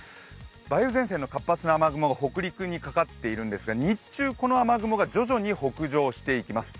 梅雨前線の活発な雨雲が北陸にかかっているんですが日中、この雨雲が徐々に北上していきます。